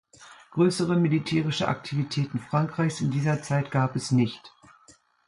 Größere militärische Aktivitäten Frankreichs in dieser Zeit gab es nicht.